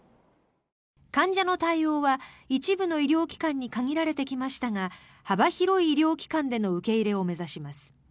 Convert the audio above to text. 患者の対応は一部の医療機関に限られてきましたが幅広い医療機関での受け入れを目指します。